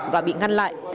và bị ngăn lại